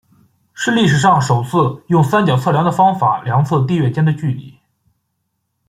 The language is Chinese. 是历史上首次用三角测量的方法量测地月间的距离。